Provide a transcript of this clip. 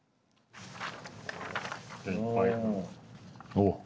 おっ。